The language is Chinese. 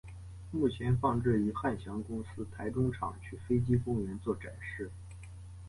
目前放置于汉翔公司台中厂区飞机公园做展示。